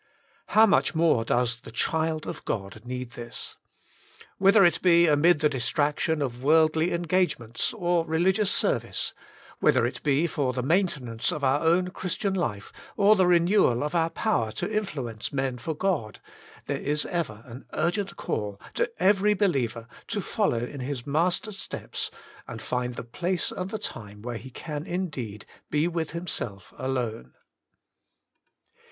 How much more does the child of God need this. Whether it be amid the distraction of worldly engagements or religious service, whether it be for the maintenance of our own Christian life, or the renewal of our power to influence men for God, there is ever an urgent call to every be liever to follow in His Master^s steps, and find the place and the time where he can indeed be with himself alone.